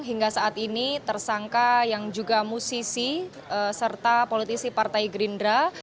hingga saat ini tersangka yang juga musisi serta politisi partai gerindra